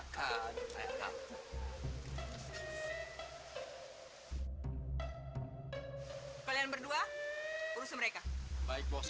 kau mau bertemu aku